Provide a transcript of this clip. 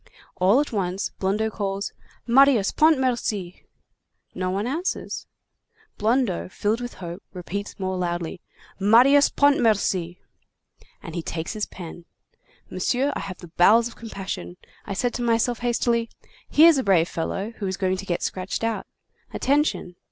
All at once Blondeau calls, 'Marius Pontmercy!' No one answers. Blondeau, filled with hope, repeats more loudly: 'Marius Pontmercy!' And he takes his pen. Monsieur, I have bowels of compassion. I said to myself hastily: 'Here's a brave fellow who is going to get scratched out. Attention.